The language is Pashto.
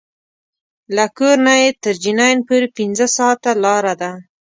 له کور نه یې تر جنین پورې پنځه ساعته لاره ده.